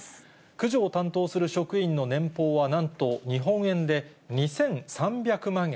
駆除を担当する職員の年俸は、なんと日本円で２３００万円。